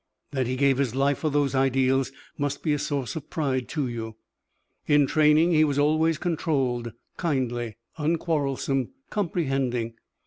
That he gave his life for those ideals must be a source of pride to you. In training he was always controlled, kindly, unquarrelsome, comprehending.